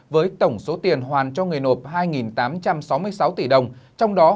với tổng số tiền hoàn cho người nộp hai tám trăm sáu mươi sáu tỷ đồng